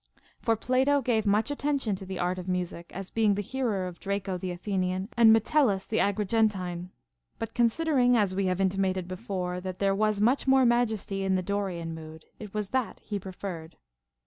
For Plato ^ave much attention to the art of music, as beinu• the hearer of Draco the Athenian and Metellus the Agri gentine ; but considering, as we have intimated before, that there was much more majesty in the Dorian mood, it was that he preferred.